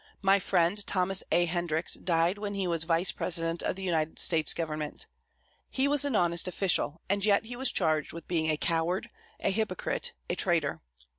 My friend Thomas A. Hendricks died when he was Vice president of the United States Government. He was an honest official, and yet he was charged with being a coward, a hypocrite, a traitor.